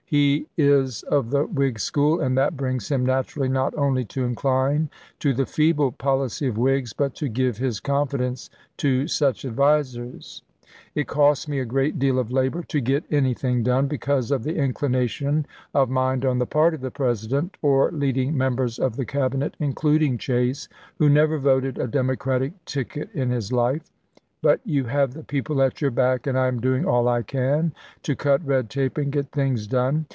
He is of the Whig school, and that brings him naturally not only to incline to the feeble policy of Whigs, but to give his confidence to such advisers. It costs me a great deal of labor to get anything done, because of the inclination of mind on the part of the President, or leading members of the Cabinet, including Chase, c^SSttee wno n^ver voted a Democratic ticket in his life. of thenwlar! But you have the people at your back, and I part m., am doing all I can to cut red tape and get things done.